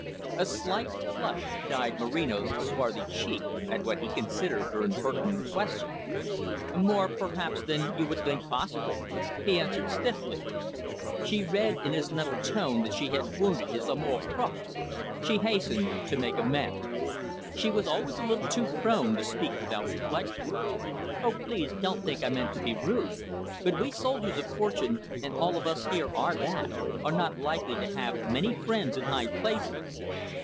A slight flush dyed Moreno's swarthy cheek at what he considered her impertinent question. "More perhaps than you would think possible," he answered stiffly. She read in his nettled tone that she had wounded his amour propre. She hastened to make amends. She was always a little too prone to speak without reflection. "Oh please don't think I meant to be rude. But we soldiers of fortune, and all of us here are that, are not likely to have many friends in high places."